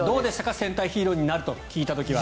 戦隊ヒーローになると聞いた時は。